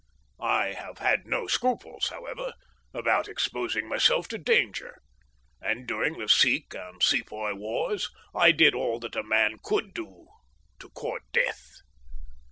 I have had no scruples, however, about exposing myself to danger, and, during the Sikh and Sepoy wars, I did all that a man could do to court Death.